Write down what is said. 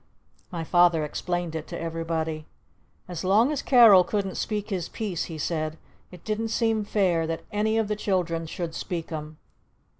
My Father explained it to everybody. "As long as Carol couldn't speak his piece," he said, "It didn't seem fair that any of the children should speak 'em!